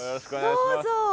どうぞ。